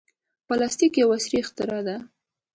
پلاستيک یو عصري اختراع ده.